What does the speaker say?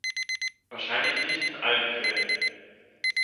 Wahrscheinlich nicht in allen Fällen.